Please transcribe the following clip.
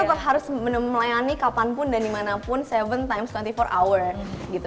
tetap harus melayani kapanpun dan dimanapun tujuh times dua puluh empat hour gitu